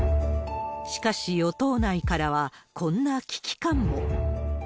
しかし、与党内からは、こんな危機感も。